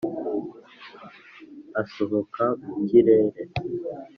asohoka mu kirere,